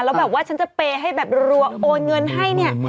แล้วแบบว่าฉันจะเปย์ให้แบบรัวโอนเงินให้เนี่ย